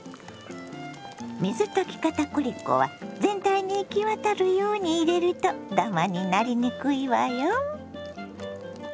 水溶き片栗粉は全体に行き渡るように入れるとダマになりにくいわよ。